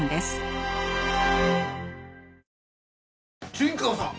陣川さん！